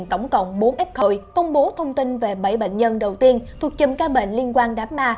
bệnh viện tổng cộng bốn f công bố thông tin về bảy bệnh nhân đầu tiên thuộc chùm ca bệnh liên quan đám ma